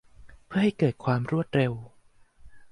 เพื่อให้เกิดความรวดเร็ว